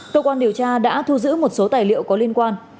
cơ quan điều tra đã thu giữ một số tài liệu có liên quan